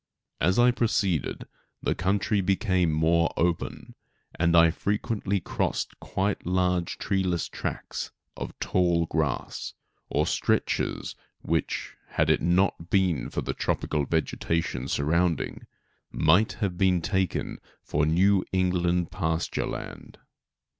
As I proceeded, the country became more open, and I frequently crossed quite large treeless tracts of tall grass, or stretches which, had it not been for the tropical vegetation surrounding might have been taken for New England pasture land.